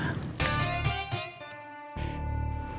tidak ada yang bisa diberikan